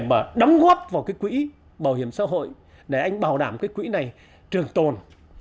và đóng góp vào cái quỹ bảo hiểm xã hội để anh bảo đảm cái quỹ này trường tồn